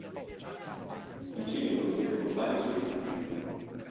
Il Cilento dovette contare i suoi martiri.